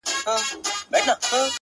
ما په سهار لس رکاته کړي وي-